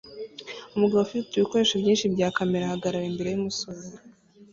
Umugabo ufite ibikoresho byinshi bya kamera ahagarara imbere yumusozi